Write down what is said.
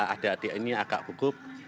ada dia ini agak gugup